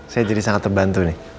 saya jadi sangat terbantu